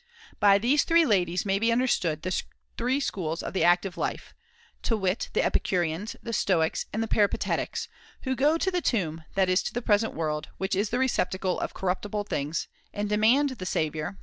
By these three ladies may be understood the three schools of the active life, to wit, the Epicureans, the Stoics, and the Peri patetics, who go to the tomb, that is, to the present world, which is the receptacle of cor ruptible things, and demand the Saviour, that is, XXII.